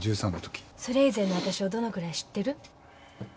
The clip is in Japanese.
それ以前のあたしをどのぐらい知ってる？